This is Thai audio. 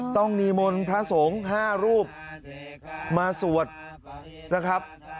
ต้องนิมนต์พระสงฆ์๕รูปมาสวดนะครับ